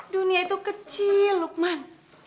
dunia itu kecil lukman